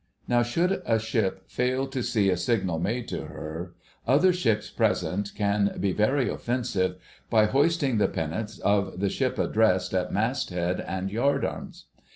Now should a ship fail to see a signal made to her, other ships present can be very offensive by hoisting the pendants of the ship addressed at mast head and yard arms.